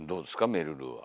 めるるは。